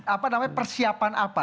apa namanya persiapan apa